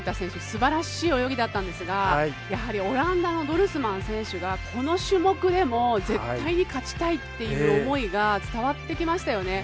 すばらしい泳ぎだったんですがオランダのドルスマン選手がこの種目でも絶対に勝ちたいっていう思いが伝わってきましたよね。